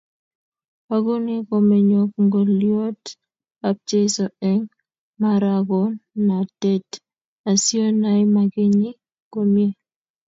Okany komenyok ngoliot ab Jeso eng magornantet asionai makenyi komye